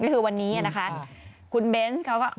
ก็คือวันนี้นะคะคุณเบนส์เขาก็